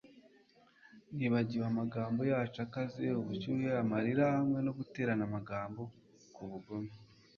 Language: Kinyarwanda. nibagiwe amagambo yacu akaze, ubushyuhe, amarira, hamwe no guterana amagambo kwubugome